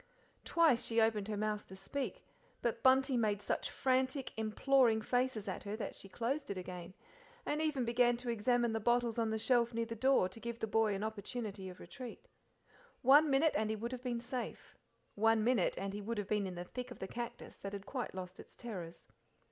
Twice she opened her mouth to speak, but Bunty made such frantic, imploring faces at her than she closed it again, and even began to examine the bottles on the shelf near the door to give the boy an opportunity of retreat. One minute and he would, have been safe one minute and he would have been in the thick of the cactus, that had quite lost its terrors.